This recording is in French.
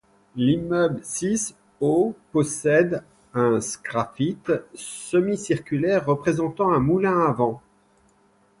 L'immeuble sis au possède un sgraffite semi-circulaire représentant un moulin à vent.